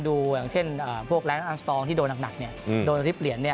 อย่างเช่นพวกแรงอ้างสตองที่โดนหนักโดนริบเหรียญ